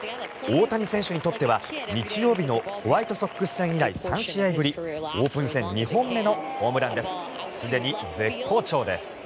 大谷選手にとっては日曜日のホワイトソックス戦以来３試合ぶりオープン戦２本目のホームランです。